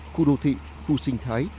khu đô thị khu sinh thái